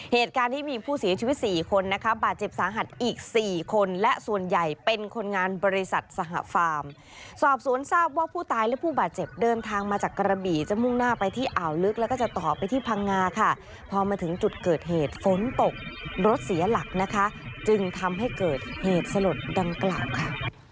เหตุการณ์ที่มีผู้เสียชีวิตสี่คนนะคะบาดเจ็บสาหัสอีก๔คนและส่วนใหญ่เป็นคนงานบริษัทสหฟาร์มสอบสวนทราบว่าผู้ตายและผู้บาดเจ็บเดินทางมาจากกระบี่จะมุ่งหน้าไปที่อ่าวลึกแล้วก็จะต่อไปที่พังงาค่ะพอมาถึงจุดเกิดเหตุฝนตกรถเสียหลักนะคะจึงทำให้เกิดเหตุสลดดังกล่าวค่ะ